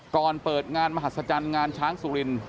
เปิดงานมหัศจรรย์งานช้างสุริน